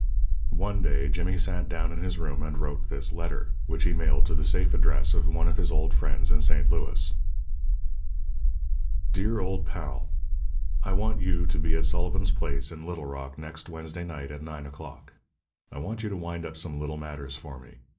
One day Jimmy sat down in his room and wrote this letter, which he mailed to the safe address of one of his old friends in St. Louis: DEAR OLD PAL: I want you to be at Sullivan's place, in Little Rock, next Wednesday night, at nine o'clock. I want you to wind up some little matters for me.